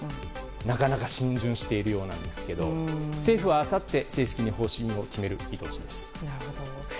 なかなか逡巡しているそうなんですが政府はあさって正式に方針を決める見通しです。